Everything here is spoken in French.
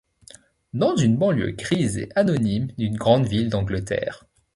Dans une banlieue grise et anonyme d'une grande ville d'Angleterre.